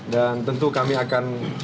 dan tentu kami akan